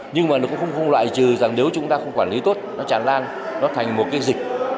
nhưng mà nó cũng không loại trừ rằng nếu chúng ta không quản lý tốt nó chản lan nó thành một cái dịch